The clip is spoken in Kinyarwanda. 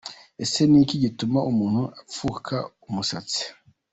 Ese ni iki gituma umuntu apfuka umusatsi?.